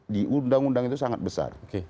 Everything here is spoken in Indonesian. di undang undang itu sangat besar